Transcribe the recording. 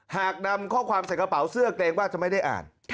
หากนำข้อความใส่กระเป๋าเสื้อเกรงว่าจะไม่ได้อ่าน